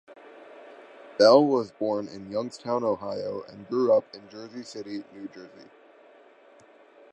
Bell was born in Youngstown, Ohio and grew up in Jersey City, New Jersey.